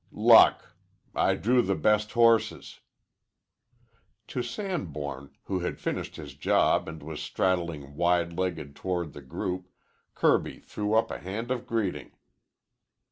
"Luck. I drew the best horses." To Sanborn, who had finished his job and was straddling wide legged toward the group, Kirby threw up a hand of greeting.